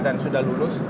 dan sudah lulus